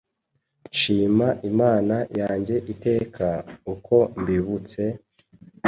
Nshima Imana yanjye iteka, uko mbibutse,